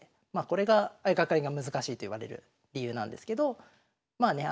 これが相掛かりが難しいといわれる理由なんですけどまあね